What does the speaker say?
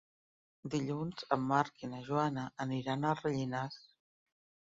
Dilluns en Marc i na Joana aniran a Rellinars.